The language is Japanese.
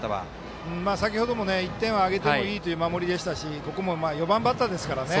先ほども１点はあげてもいいという守りでしたしここも４番バッターですからね